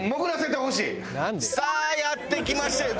さあやって来ましたよ。